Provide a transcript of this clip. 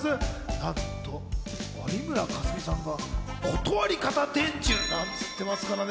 なんと有村架純さんが断り方伝授なんつってますからね。